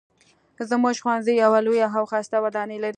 زموږ ښوونځی یوه لویه او ښایسته ودانۍ لري